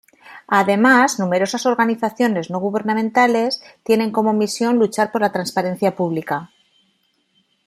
Además, numerosas organizaciones no gubernamentales tienen como misión luchar por la transparencia pública.